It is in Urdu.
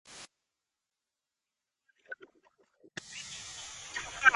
عمران رچی بینو کی عظیم ترین ٹیم میں شامل